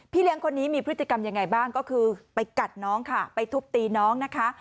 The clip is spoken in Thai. เลี้ยงคนนี้มีพฤติกรรมยังไงบ้างก็คือไปกัดน้องค่ะไปทุบตีน้องนะคะ